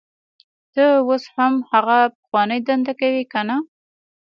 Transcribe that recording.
ته اوس هم هغه پخوانۍ دنده کوې کنه